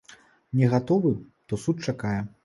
Не гатовы, то суд чакае.